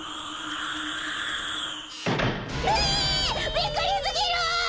びっくりすぎる！